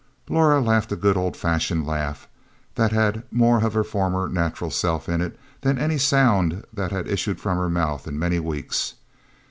Laura laughed a good old fashioned laugh that had more of her former natural self about it than any sound that had issued from her mouth in many weeks.